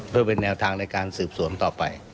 เพื่อเป็นแนวทางในการสืบสวนต่อไป